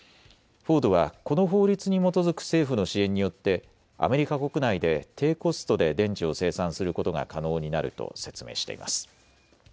フォードはこの法律に基づく政府の支援によってアメリカ国内で低コストで電池を生産することが可能になると説明しています。